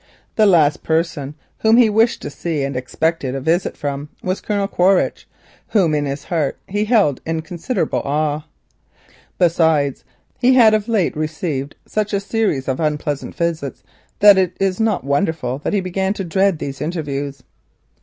The last person whom he wished to see and expected a visit from was Colonel Quaritch, whom in his heart he held in considerable awe. Besides, he had of late received such a series of unpleasant calls that it is not wonderful that he began to dread these interviews.